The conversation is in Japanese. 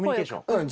うん。